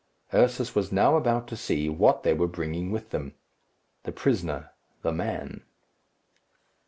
Ursus was now about to see what they were bringing with them. The prisoner the man.